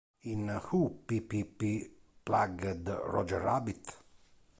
In "Who P-P-P-Plugged Roger Rabbit?